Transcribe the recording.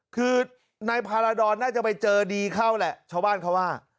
คือนายพาราดรน่าจะไปเจอดีเข้าแหละชาวบ้านเขาว่า